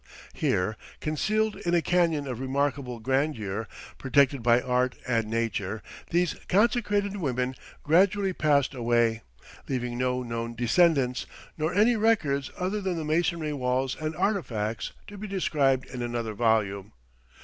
Here, concealed in a canyon of remarkable grandeur, protected by art and nature, these consecrated women gradually passed away, leaving no known descendants, nor any records other than the masonry walls and artifacts to be described in another volume.